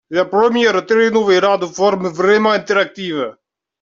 C'est la première télénovela de forme vraiment interactive.